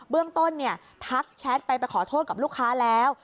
เรื่องต้นทักแชทไปไปขอโทษกับลูกค้าแล้ว